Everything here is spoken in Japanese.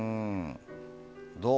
どう？